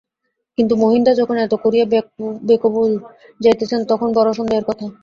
কিন্তু মহিনদা যখন এত করিয়া বেকবুল যাইতেছেন তখন বড়ো সন্দেহের কথা।